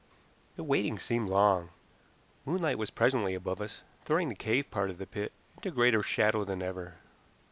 The waiting seemed long. Moonlight was presently above us, throwing the cave part of the pit into greater shadow than ever.